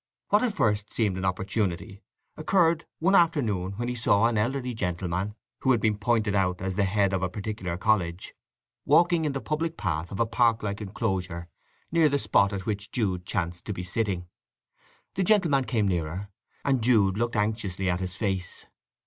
What at first seemed an opportunity occurred one afternoon when he saw an elderly gentleman, who had been pointed out as the head of a particular college, walking in the public path of a parklike enclosure near the spot at which Jude chanced to be sitting. The gentleman came nearer, and Jude looked anxiously at his face.